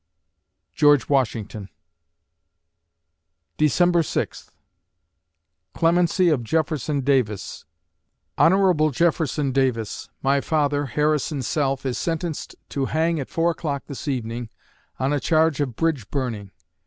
GEORGE WASHINGTON December Sixth CLEMENCY OF JEFFERSON DAVIS Honorable Jefferson Davis: My father, Harrison Self, is sentenced to hang at four o'clock this evening on a charge of bridge burning.